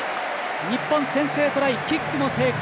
日本、先制トライ、キック成功。